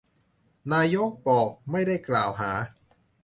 นายก บอกไม่ได้กล่าวหา